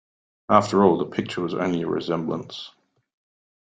After all, the picture was only a resemblance.